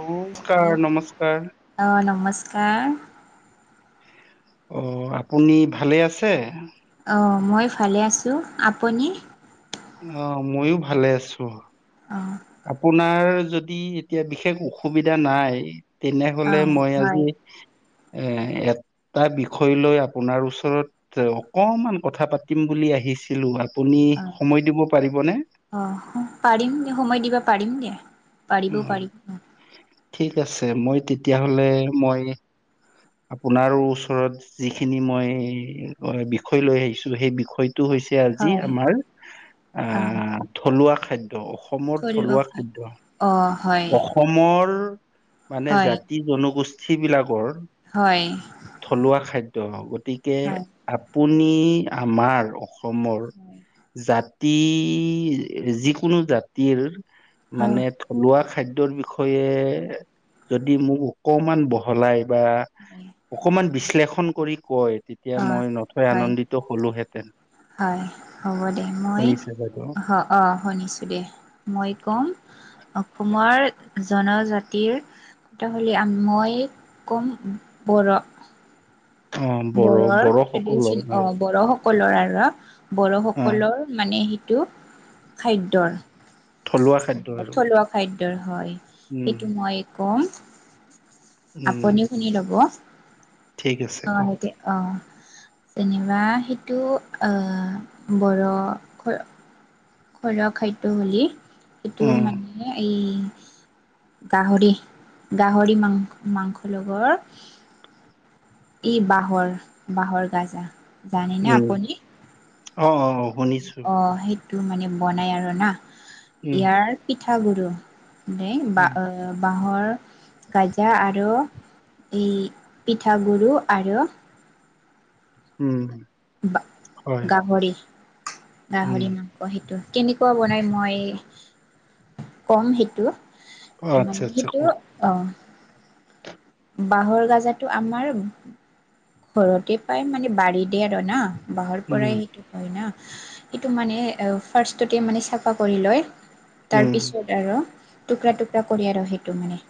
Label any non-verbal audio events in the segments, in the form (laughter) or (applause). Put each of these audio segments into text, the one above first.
(unintelligible) নমস্কাৰ হাঁ অ', আপুনি ভালে আছে? অ, মই ভালে আছোঁ, আপুনি? অ' মইয়ো ভালে আছোঁ। অ' আপোনাৰ যদি এতিয়া বিশেষ অসুবিধা নাই তেনেহলে অ' মই হয় আজি এপ তাৰ বিষয় লৈ আপোনাৰ ওচৰত অকমান কথা পাতিম বুলি আহিছিলো। আপুনি অ সময় দিব পাৰিবনে অ পাৰিম সময় দিব পাৰিম দিয়া অ পাৰিব পাৰি ঠিক আছে মই তেতিয়াহলে মই আপোনাৰো ওচৰত যিখিনি মই বিষয় লৈ আহিছো সেই বিষয় টো হৈছে আজি হয় আমাৰ আ অ' থলুৱা খাদ্য। অসমৰ থলো থলুৱা খাদ্য, অ' হয় অসমৰ মানে হয় জাতি জনগোষ্ঠীবিলাকৰ হয়। গতিকে হয় হয় আপুনি আমাৰ অসমৰ জাতি, যিকোনো জাতিৰ মানে হয় থলুৱা খাদ্যৰ বিষয়ে যদি মোক অকমান বহলাই বা অকমান বিশ্লেষণ কৰি কয় তেতিয়া অ' মই নথৈ হয় আনন্দিত হ'লোহেঁতেন। হয় হ'ব দে মই শুনিছে বাইদেউ অ অ শুনিছো দে মই কম অসমৰ জনজাতিৰ তিতিহলি মই ক'ম বড়ো। অ বড়ো বড়োৰ বড়োসকলৰ ট্ৰেডিশন অ বড়োস সকলৰ আৰু অ বড়োসকলৰ মানে সেইটো খাদ্যৰ থলুৱা খাদ্য আৰু থলুৱা খাদ্যৰ হয়। উম সেইটো মই কম। উম আপুনি শুনি লব। ঠিক আছে অ কওক সেইটি অ যেনিবা সেইটো আ বড় ঘৰ ঘৰুৱা খাদ্য বুলি সিটো উম মানে এই গাহৰি গাহৰি মাং মাংস লগৰ ই বাঁহৰ বাঁহৰ গাজা জানিনে উম আপুনি? অ অ অ শুনিছো অ সেইট টো মানে বনাই আৰু না উম ইয়াৰ পিঠাগুড়ো নেং বা উম বাঁহৰ গাজা আৰু এই পিঠাগুড়ো আৰু উম। বা হয় গাহৰি উম গাহৰি মাংস সেইটো। কেনেকুৱা বনাই মই কম সেইটো অ আচ্ছা মানে আচ্ছা সেইটো কওক অ। বাঁহৰ গাজে আমাৰ ঘৰতে পায় মানে বাৰীতে আৰু না। বাঁহৰ উম পৰাই সেইটো হয় না। সেটো মানে ফাৰ্ষ্টতে মানে চাফা কৰি লয়। উম তাৰপিছত আৰু টুকৰা টুকৰা কৰি আৰু সেইটো মানে।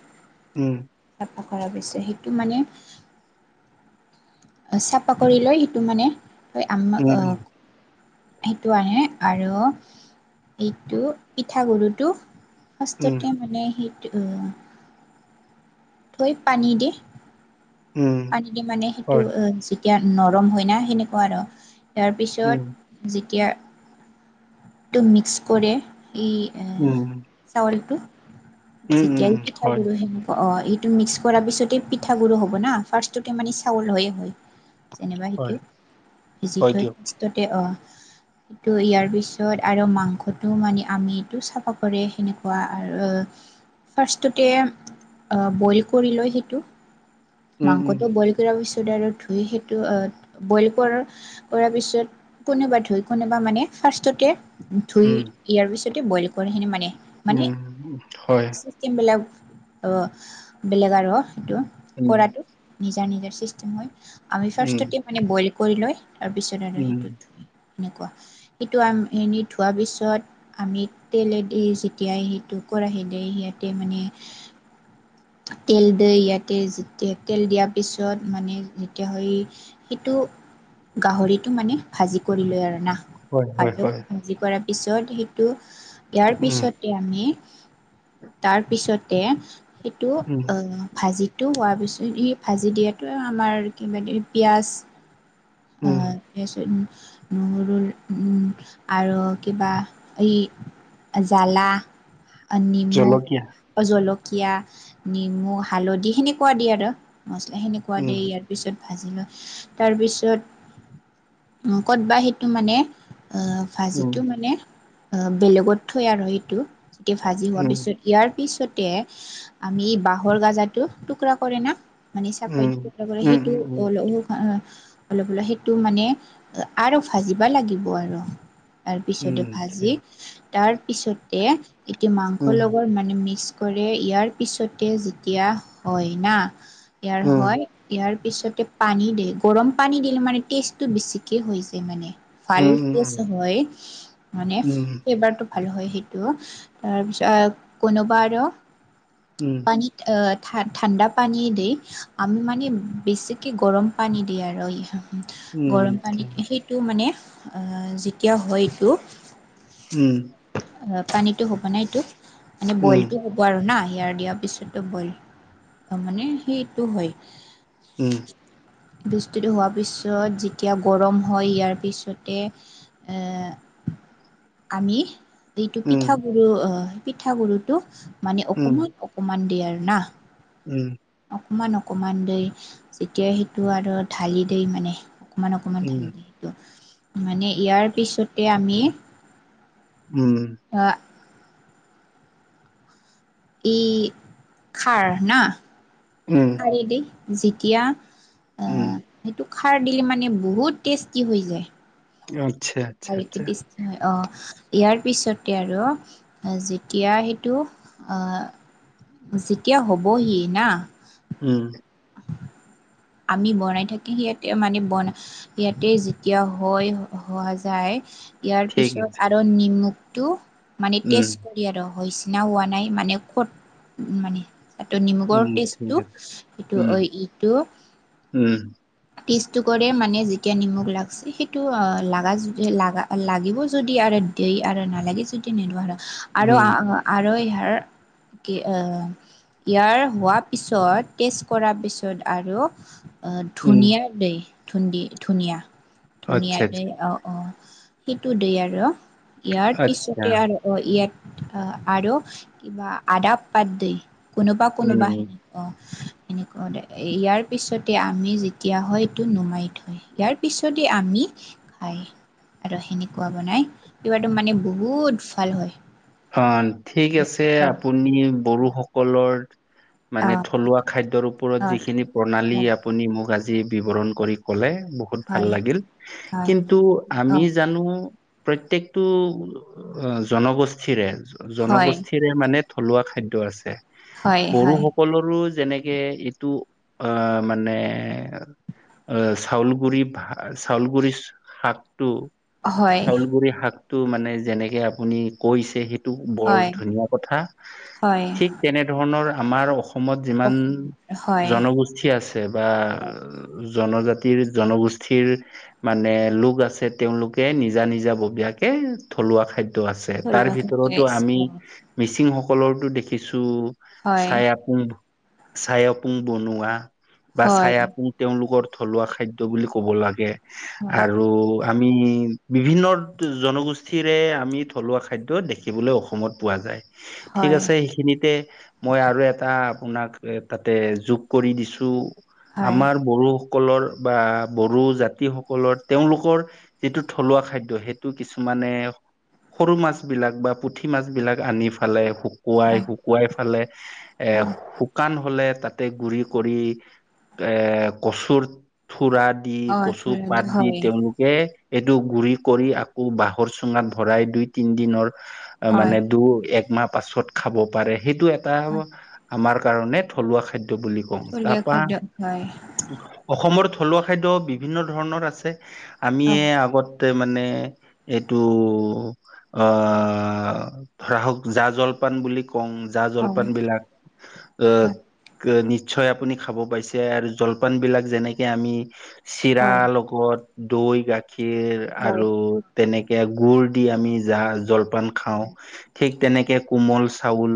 উম। কৰা পছ সেইটো মানে চাফা কৰি লৈ সেইটো মানে আম। উম সেইটো আনে আৰু এইটো পিঠাগুৰুটো। উম ফাৰ্ষ্টতে মানে সেইটো। থৈ পানী দি উম পানী দি মানে সেইটো। হয় এতিয়া নৰম হয় না সেনেকুৱা আৰু উম তাৰপিছত যেতিয়া। টো মিক্স কৰি এই উম চাউলটো। উম উম যেতিয়াই পিঠা হয় গুড় সেনেকুৱা অ। এইটো মিক্স কৰাৰ পিছতে পিঠাগ গুডো হ'ব। না ফাৰ্ষ্টতে মানে চাউল হয়য়ে হয়। যেনেবা হয় সেইটো ভিজি হয় থৈ দিয়ক পাৰষ্টতে অ (unintelligible) সেইটো ইয়াৰ পিছত আৰু মাংসটো মানে আমিটো চাফা কৰে সেনেকুৱা আৰু। ফাৰ্ষ্ট অ। বইল কৰি লয় সেইটো উম উম মাংসটো বইল কৰাৰ পিছত। চুডাৰত ধুই সেইটো বইল কৰ কৰাৰ পিছত কোনোবা ধুই কোনোবা মানে। ফাৰ্ষ্টতে ধুই উম ইয়াৰ পিছতে বইল কৰিখনে মানে। মানে উম হয় চেম বিলাক। আহ বেলেগ আৰু সেইটো উম কৰাতটো নিজৰ নিজৰ চিষ্টেম হৈ। আমি ফাৰ্ষ্ট উম মে বইল কৰি লৈ তাৰপিছত আৰু উম সেই। সেনেকুৱা সেইটো আম এনে ধোৱাৰ পিছত আমি তেলেদি যেতিয়াই সেইটো। ক আহিলিলে সিয়াঁতে মানে। (unintelligible) তেল দি ইয়াতে যেয়া তেল দিয়াৰ পিছত মানে যেতিয়া হয় সেইটো। গাহৰিতটো মানে ভাজি কৰি লৈ আৰু না। হয় হয় ভাজো হয় ভাজি কৰাৰ পিছত সেইটো ইয়াৰ উম পিছতে আমি। তাৰ পিছতে সেইটো উম আহ ভাজি। টো হোৱাৰ পিছত স ভাজি দিয়াতো আমাৰ কিবা পিঁয়াজ।। অ উম স নহৰু আৰু কিবা এই জালা। নিমু জলকীয়া জলকীয়া নিমু হালধি সেনেকুৱা দিয়ে আৰু। মছলাখেনেকুৱা উম দিয় ইয়াৰ পিছত। ভাজি লৈ তাৰপিছত কতবাৰ হয়। সেইটো মানে উম ভাজিটো মানে বেলেগত থৈ আৰু সেইটো। তেয়া ভাজি হোৱা উম পিছত ইয়াৰ পিছতে আমি বাঁহৰ গাজাত টো টুকুৰা কৰে ন মানে চাফাই উম টুকৰা কৰে উম সেইটো উম উম অ অলপ অলপ সেইটো মানে আৰু ভাজিবা লাগিব আৰু তাৰ পিছতে ভাজি তাৰপিছতে এতিয়া মাংস লগৰ মানে মিক্স। কৰে ইয়াৰ পিছতে যেতিয়া হয় না ইয়াৰ হয় ইাৰ পিছতে পানী দিয়ে গৰম পানী দিলে মানে টেষ্টটো বেছিকৈ হৈ যায় মানে ভাল টেষ্ট হয় মানে ফেবাৰতটো ভাল হয় সেই তাৰপিছত কোনোবা আৰু পানীত আহ ঠাণ্ডা পানী দেই আমি মানে বেছিকৈ গৰম পানী দি আৰু এই গৰম পানীত সেইটো মানে যেতিয়া হয়টো অ পানীতটো হ'ব নাইতটো মানে বইলতটো হ'ব আৰু না ইয়াৰ দিয়াৰ পিছতো, ব'ইল মানে সেইটো হয়। উম। বস্তুটো হোৱাৰ পিছত যেতিয়া গৰম হয় ইয়াৰ পিছতে এ (inaudible) আমি। এইটো পিঠা গুৰু অহ পিঠ গুৰুটো মানে অসমত অকমান দিয়া আৰ না উম। অকমান অকমান দেই যেতিয়া সেইটো আৰু ঢালি দেই মানে অকণমান অকণমান ধালি দিয়ে টো মানে ইয়াৰ পিছতে আমি উম। ই খাৰ না খাৰি দি যেতিয়া উম। আহ সেইটো খাৰ দিলে মানে বহুত টেষ্টি হৈ যায়। আচ্ছা আচ্ছা, ভালকে টেষ্টি হয় অ' ইয়াৰ পিছতে আৰু যেতিয়া সেইটো অ' যেতিয়া হবহি না হুম আমি বনাই থাকি সিয়াতে মানে বনা সেইয়াতে যেতিয়া হয় হোৱা যায় ইয়াৰ ঠিক পিছত আছে, আৰু নিমখটো মানে হুম টেষ্ট কৰি আৰু হৈছে। না হোৱা নাই মানে কট মানে এইটো নিমখৰ হুম ঠিক টেষ্টটো এইটো ইটো উম। টেষ্টটো কৰে মানে যেতিয়া নিমখ লাগিছে, সেইটো লাগা লাগা লাগিব যদি আৰু দি আৰু নালাগি যদি নিদো আৰু আৰু হুম আৰু ইয়াত আৰু কি অ' ইয়াৰ হোৱা পিছত টেষ্ট কৰাৰ পিছত আৰু হুম ধুনিয়া দেই ধ ধুনিয়া ধুনিয়া আচ্ছা দেই আচ্ছা অ' অ' সেইটো দেই আৰু ইয়াৰ আচ্ছা, পিছতে আৰু অ' ইয়াত অহ আৰু কিবা আদা পাত দি কোনোবা কোনোবা হুম হেনে অহ' এনেকুৱা ইয়াৰ পিছতে আমি যে তিয়া হয় এইটো নুমাই থয় ইয়াৰ পিছতে আমি খাই। আৰু সেনেকুৱা বনাই কিবাটো মানে বহুত ভাল হয়। অ', ঠিক আছে অ আপুনি বড়োসকলৰ মানে থলুৱা অ খাদ্যৰ ওপৰত আহ যিখিনি প্ৰণালী অ', আপুনি মোক আজি জি বিৱৰণ কৰি ক'লে বহুত ভাল হয়, লাগিল হয়, কিন্তু আমি অ', জানো প্ৰত্যেকটো অ', জনগোষ্ঠীৰে হয়, জনগোষ্ঠীৰে মানে থলুৱা খাদ্য আছে, হয়, হয়, বড়োসকলৰো যেনেকে এইটো অহ, মানে অহ, চাউল গুৰি ভা চাউল গুৰি শাকটো হয়, চাউল গুৰি শাকটো মানে যেনেকে আপুনি কৈছে সেই টো বৰ হয়, ধুনীয়া কথা, হয়, ঠিক তেনেধৰণৰ আমাৰ অসম সমত যিমান হয়, জনগোষ্ঠী আছে বা জনজাতিৰ জনগোষ্ঠীৰ মানে লোক আছে তেওঁলোকে নিজা নিজা ববীয়াকে থলুৱা খাদ্য আছে, তাৰ থলুৱা ভিতৰতো খাদ্যই আমি মিচিংসক কলৰটো দেখিছো, হয়, হয়, চাই আপোং চাই আপোং বনোৱা। বা হয়, চাই আপুং তেওঁলোকৰ থলুৱা খাদ্য বুলি ক'ব লাগে আৰু আমি বিভিন্ন জনগোষ্ঠীৰে আমি থলুৱা খাদ্য দেখিবলৈ অসমত পোৱা যায়, ঠিক হয়, আছে সেইখিনিতে মই আৰু এটা আপোনাক এ তাতে যোগ কৰি দিছো, হয়, আমাৰ বড়ো সকলৰ বা বড়ো জাতিসকলৰ তেওঁলোকৰ যিটো থলুৱা খাদ্য সিটো কিছুমান মানে সৰু মাছ বিলাক মাছ বিলাক বা পুঠি মাছবিলাক আনি ফালে শুকুৱাই হয়, শুকুৱাই ফালে এ অ', শুকান হলে তাতে গুৰি কৰি এ কচুৰ খুৰা দি অ', কচু থলুৱা পাত দি হয়, তেওঁলোকে এইটো গুৰি কৰি আকৌ বাঁহৰ চুঙাত ভৰাই দুই তিন দিনৰ হয়, মানে দুই একমাহ পাছত খাব পাৰে। সেইটো এটা হয়, আমাৰ কাৰণে থলুৱা খাদ্য বুলি কওঁ। তা থলুৱা পা খাদ্য হয়, অসমৰ থলুৱা খাদ্য বিভিন্ন ধৰণৰ আছে। আমিয়ে অ', আগত তে মানে এইটো অ ধৰা হওক জা জলপান বুলি কং জা হয়, জলপান বিলাক হয়, (unintelligible) নিশ্চয় আপুনি খাব পাইছে আৰু জলপান বিলাক যেনেকে আমি চিৰা হয়, লগত দৈ গাখীৰ আৰু হয়, তেনেকে গুৰ দি আমি জা জল পান খাওঁ হয়, ঠিক তেনেকে কোমল চাউল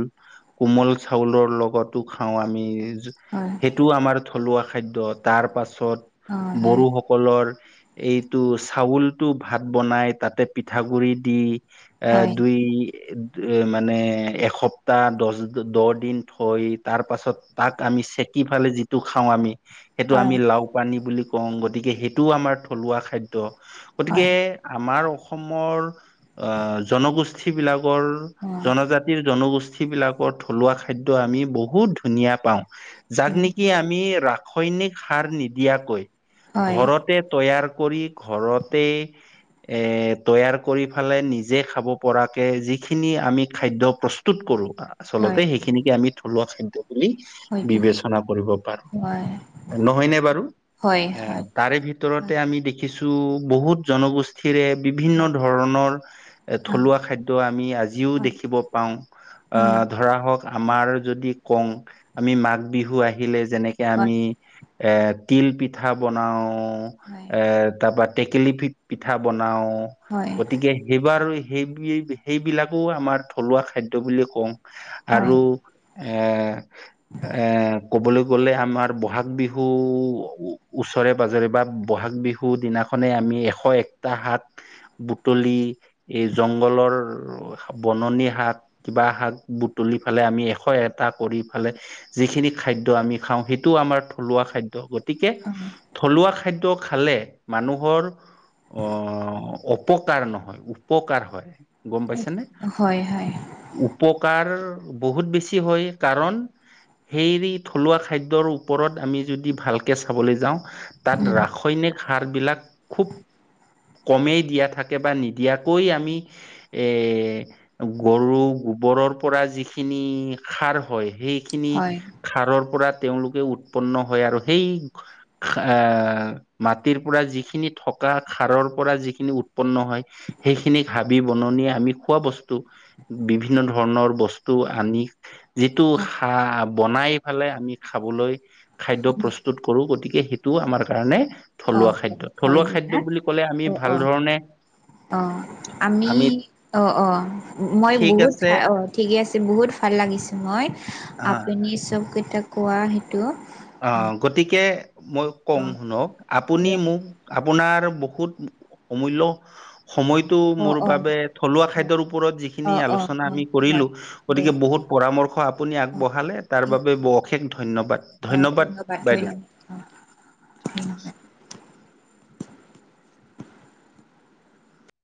কোমল চাউলৰ লগতো খাওঁ আমি হয়, সেইটো আমাৰ থলুৱা খাদ্য তাৰ পাছত অ', হয়, বড়ো সকলৰ এইটো চাউলটো ভাত বনাই তাতে পিঠাগুৰি দি এ হয়, দুই মানে এসপ্তাহ দছ দহ দিন থৈ তাৰপাছত তাক আমি চেক কি ফালে যিটো খাওঁ আমি সেইটো হয়, হয়, অ', আমি লাও পানী বুলি কং গতিকে সেইটোও আমাৰ থলুৱা খাদ্য গতিকে হয়, হয়, আমাৰ অসমৰ আ জনগোষ্ঠী বিলাক কৰ জনজাতিৰ জনগোষ্ঠী বিলাকৰ থলুৱা খাদ্য আমি বহুত ধুনীয়া পাওঁ যাক নেকি আমি ৰাসয়নিক সাৰ নিদিয়াকৈ ঘৰতে তৈয়াৰ কৰি ঘৰতে এ তৈয়াৰ কৰি ফালে নিজে খাব পৰাকে যিখিনি আমি খাদ্য প্ৰস্তুত কৰোঁ আচলতে সেইখিনিকে আমি থলুৱা খাদ্য বুলি হয়, বিবেচনা কৰিব পাৰো হয়, নহয়নে বাৰু হয়, এ হয় তাৰে ভিতৰতে আমি দেখিছো বহুত জনগোষ্ঠীৰে বিভিন্ন হয় ধৰণৰ হয় থলুৱা খাদ্য আমি আজিও দেখিব পাও আ উম ধৰা হক আমাৰ যদি কং আমি মাঘ বিহু আহিলে যেনেকে হয় আমি এ তিল পিঠা বনাও এ তাপা টেকেলি পিঠা বন বনাও এইবাৰ সেই সেইবিলাকো আমাৰ থলুৱা খাদ্য বুলিও কওঁ। আৰু এ এ কবলৈ গলে আমাৰ বহাগ বিহু ওচৰে পাজৰে বা বহাগ বিহু দিনাখনে আমি আমি এশ একটা শাক বুটলি এই জংঘলৰ বননি শাক কিবা শাক বুটলি ফালে আমি এশ এটা কৰি ফালে যিখিনি খাদ্য আমি খাওঁ সেইটো আমাৰ থলুৱা খাদ্য গতিকে থলুৱা খাদ্য খালে মানুহৰ অ অপকাৰ নহয় উপকাৰ হয় গম পাইছা নে উপকাৰ বহুত বেছি হয় কাৰণ সেই থলুৱা খাদ্যৰ ওপৰত আমি যদি ভালকে চাবলৈ যাওঁ তাত ৰাসায়নিক সাৰ বিলাক খুব কমেই দিয়াত থাকে বা নিদিয়াকৈ আমি এ গৰু গোবৰৰ পৰা যি খিনি খাৰ হয় সেইখিনি খাৰৰ পৰা তেওঁলোকে উৎপন্ন হয় আৰু সেই এ মাটিৰ পৰা যিখিনি থক কা খাৰৰ পৰা যিখিনি উৎ উৎপন্ন হয় সেইখিনিক হাবি বননিয়ে আমি খোৱা বস্তু বিভিন্ন ধৰণৰ বস্তু ও আনি যিটো অ খা বনাই ফালে আমি খাবলৈ খাদ্য প্ৰস্তুত কৰোঁ, গতিক এ, সেইটোও আমাৰ কাৰণে অ থলুৱা খাদ্য। হয় হয় থলুৱা খাদ্য দিনা বুলি ক'লে আমি অ ভাল অ ধৰণে অ', আমি অ', অ', মই ঠিক বহুত আছে খাই, অ', ঠিকে আছে বহুত বহুত ভাল লাগিছে মই আহ আপুনি চবকেইটা কোৱা সেইটো। অ', গতিকে মই অ ক'ম অ শুনক, আপুনি ৰ মোক (unintelligible) পোনাৰ বহুত অমূল্য সময়টো অ মোৰ অ বাবে থলুৱা খাদ্যৰ ওপৰত অ যিখিনি অ আলোচনা আমি হয় হয় কৰিলোঁ, দে গতিকে বহুত পৰামৰ্শ আপুনি অ আগবঢ়ালে, তাৰ ঠিক বাবে বশেষ ধন্যবাদ। অ ধন্যবাদ বাইদেউ, ধন্যবাদ অ ঠিক ধন্যবাদ আছে।